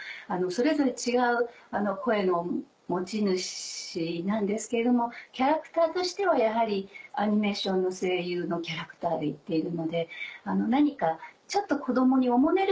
それぞれ違う声の持ち主なんですけれどもキャラクターとしてはやはりアニメーションの声優のキャラクターで行っているので何かちょっと子供におもねるようなところで